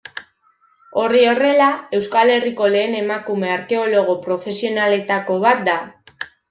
Hori horrela, Euskal Herriko lehen emakume arkeologo profesionaletako bat da.